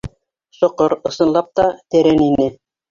Соҡор, ысынлап та, тәрән ине.